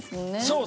そう。